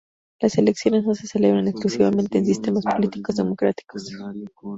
Las elecciones no se celebran exclusivamente en sistemas políticos democráticos.